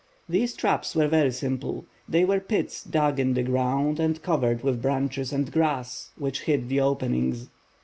These traps were very simple. They were pits dug in the ground and covered with branches and grass, which hid the openings.